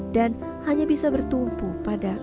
dan hanya bisa bertumpu pada